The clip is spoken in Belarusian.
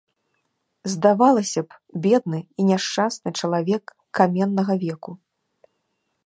Здавалася б, бедны і няшчасны чалавек каменнага веку.